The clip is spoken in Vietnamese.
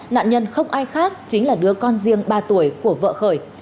nạn nhân không ai khác chính là đứa con riêng ba tuổi của vợ khởi